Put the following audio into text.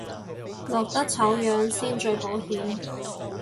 落得醜樣先最保險